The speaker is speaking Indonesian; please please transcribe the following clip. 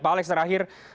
pak alex terakhir